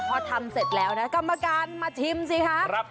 พอทำเสร็จแล้วนะกรรมการมาชิมสิคะ